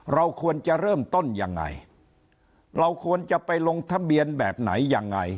เราควรจะเริ่มต้นยังไงเราควรจะไปลงทะเบียนแบบไหนยังไง